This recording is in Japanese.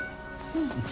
うん。